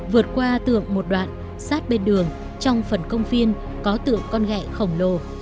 vượt qua tượng một đoạn sát bên đường trong phần công viên có tượng con ghe khổng lồ